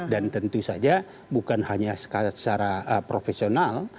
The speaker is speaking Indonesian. dan tentu saja bukan hanya secara profesional